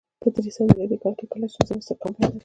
په درې سوه میلادي کال کې کله چې نظام استحکام پیدا کړ